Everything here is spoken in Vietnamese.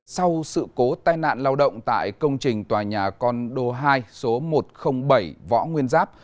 sau sự cố tai nạn lao động tại công trình tòa nhà condo hai số một trăm linh bảy võ nguyên giáp